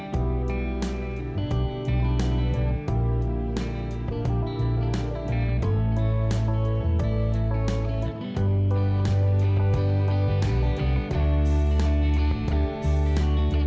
hẹn gặp lại